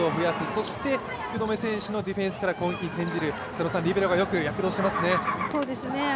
そして福留選手のディフェンスから攻撃に転じる、リベロがよく躍動していますね。